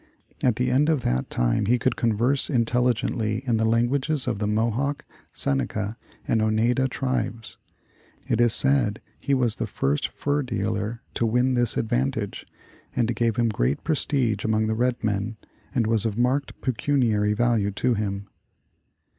''At the end of that time he could converse intelligently in the languages of the Mohawk, Seneca, and Oneida tribes. It is said he was the first fur dealer to win this advantage, and it gave him great prestige among the red men, and was of marked pecuniary value to him."